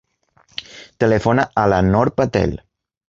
Telefona a la Nor Patel.